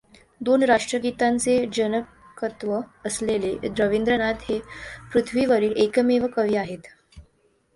दोन राष्ट्रगीतांचे जनकत्व असलेले रवीन्द्रनाथ हे पृथ्वीवरील एकमेव कवी आहेत.